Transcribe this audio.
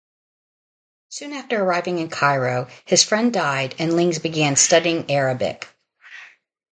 Soon after arriving in Cairo, his friend died and Lings began studying Arabic.